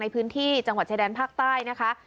พื้นที่จังหวัดชายแดนภาคใต้นะคะ